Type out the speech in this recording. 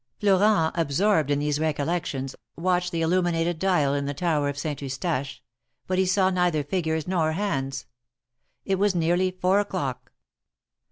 Florent, absorbed in these recollections, watched the illuminated dial in the tower of Saint Eustache, but he saw neither figures nor hands. It was nearly four o'clock.